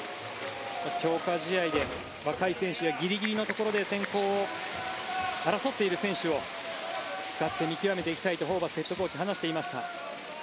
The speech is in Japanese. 強化試合で若い選手、ギリギリのところで選考を争っている選手を使って見極めていきたいとホーバスヘッドコーチ話していました。